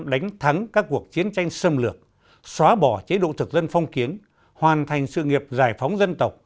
đánh thắng các cuộc chiến tranh xâm lược xóa bỏ chế độ thực dân phong kiến hoàn thành sự nghiệp giải phóng dân tộc